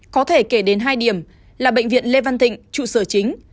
có thể kể đến hai điểm là bệnh viện lê văn thịnh trụ sở chính